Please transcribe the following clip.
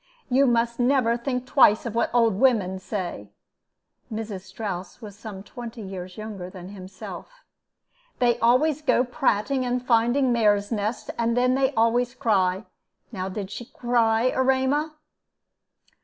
"You must never think twice of what old women say" (Mrs. Strouss was some twenty years younger than himself); "they always go prating and finding mares' nests, and then they always cry. Now did she cry, Erema?"